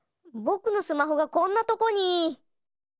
ぼくのスマホがこんなとこに！